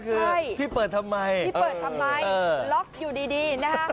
คือพี่เปิดทำไมพี่เปิดทำไมล็อกอยู่ดีนะคะ